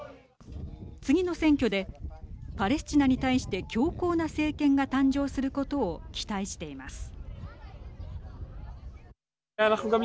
次の選挙でパレスチナに対して強硬な政権が誕生することを期待しています。